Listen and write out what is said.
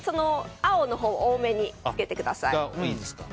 青のほうを多めにつけてください。